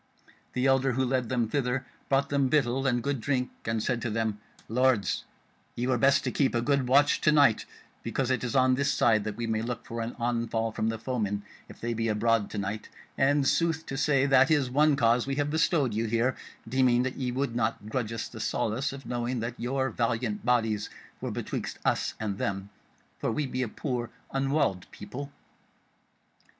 The elder who led them thither, brought them victual and good drink, and said to them: "Lords, ye were best to keep a good watch to night because it is on this side that we may look for an onfall from the foemen if they be abroad to night; and sooth to say that is one cause we have bestowed you here, deeming that ye would not grudge us the solace of knowing that your valiant bodies were betwixt us and them, for we be a poor unwalled people."